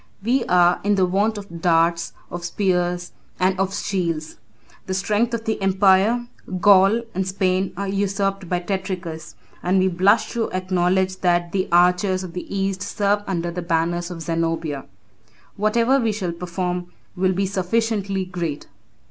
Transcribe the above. We are in want of darts, of spears, and of shields. The strength of the empire, Gaul, and Spain, are usurped by Tetricus, and we blush to acknowledge that the archers of the East serve under the banners of Zenobia. Whatever we shall perform will be sufficiently great."